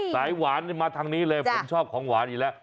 ใส่หวานมาทางนี้เลยผมชอบของหวานอีกแล้ว